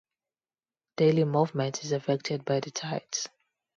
Daily movement is affected by the tides.